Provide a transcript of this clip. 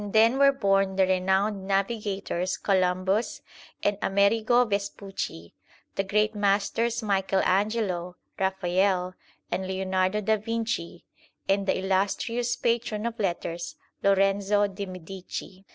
xl THE SIKH RELIGION then were born the renowned navigators Columbus and Amerigo Vespucci, the great masters Michael Angelo, Raphael, and Leonardo da Vinci, and the illustrious patron of letters Lorenzo di Medici.